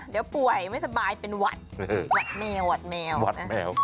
เดี๋ยวป่วยไม่สบายเป็นหวัดแมวหวัดแมวหวัดแมว